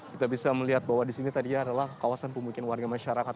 kita bisa melihat bahwa di sini tadi adalah kawasan pemukiman warga masyarakat